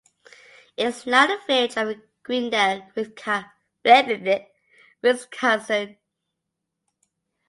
It is now the village of Greendale, Wisconsin.